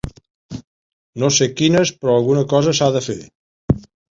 No sé quines, però alguna cosa s’ha de fer.